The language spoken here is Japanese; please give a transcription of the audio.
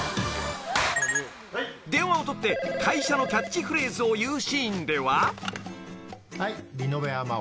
［電話を取って会社のキャッチフレーズを言うシーンでは］